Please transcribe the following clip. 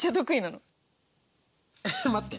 待って。